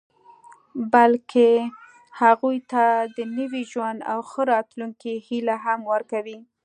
بلکې هغوی ته د نوي ژوند او ښه راتلونکي هیله هم ورکوي